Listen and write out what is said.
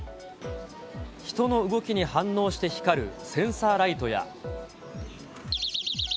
人の動きに反応して光るセンサーライトや。